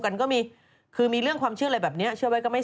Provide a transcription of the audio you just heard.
โอลี่คัมรี่ยากที่ใครจะตามทันโอลี่คัมรี่ยากที่ใครจะตามทัน